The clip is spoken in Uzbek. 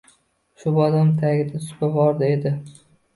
Shu bodom tagida supa bor edi.